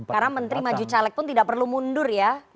karena menteri maju caleg pun tidak perlu mundur ya